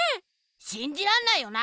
しんじらんないよな！